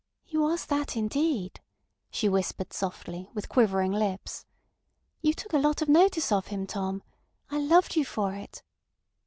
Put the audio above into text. "He was that indeed," she whispered softly, with quivering lips. "You took a lot of notice of him, Tom. I loved you for it."